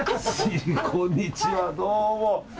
こんにちは、どうも。